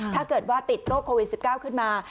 ถ้าเกิดว่าติดโรคโควิด๑๙ขึ้นมา